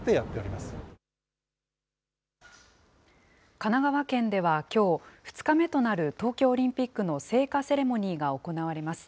神奈川県ではきょう、２日目となる東京オリンピックの聖火セレモニーが行われます。